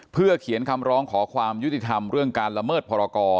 เพื่อเขียนคำร้องขอความยุติธรรมเรื่องการละเมิดพรกร